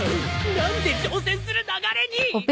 何で挑戦する流れに！？